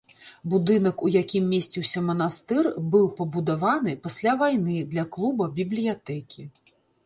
Будынак, у якім месціўся манастыр, быў пабудаваны пасля вайны для клуба-бібліятэкі.